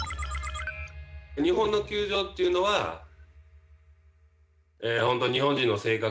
日本の球場っていうのはほんと日本人の性格